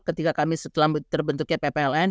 ketika kami setelah terbentuknya ppln